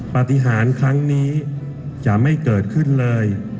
ปฏิหารครั้งนี้จะไม่เกิดขึ้นเลย